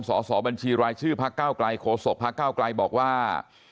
สอบบัญชีรายชื่อพักเก้าไกลโฆษกพระเก้าไกลบอกว่า